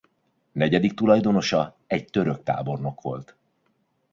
Negyedik tulajdonosa egy török tábornok volt.